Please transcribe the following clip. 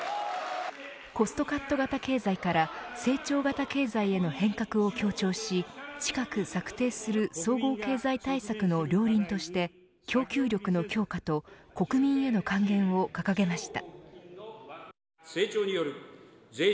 コストカット型経済から成長型経済への変革を強調し近く策定する総合経済対策の両輪として供給力の強化と国民への還元を掲げました。